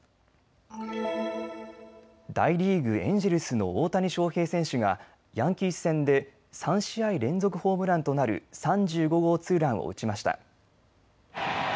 大リーグ、エンジェルスの大谷翔平選手がヤンキース戦で３試合連続ホームランとなる３５号ツーランを打ちました。